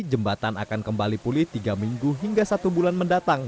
jembatan akan kembali pulih tiga minggu hingga satu bulan mendatang